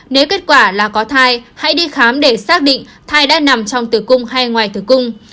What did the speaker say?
nếu kết quả là có thai hãy đi khám để xác định thai đã nằm trong tử cung hay ngoài tử cung